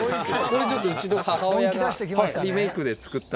これちょっとうちの母親がリメイクで作ったズボンで。